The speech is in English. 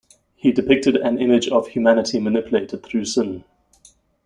He depicted an image of humanity manipulated through sin.